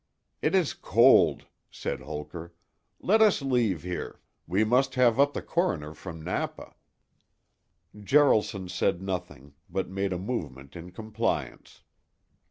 "It is cold," said Holker; "let us leave here; we must have up the coroner from Napa." Jaralson said nothing, but made a movement in compliance.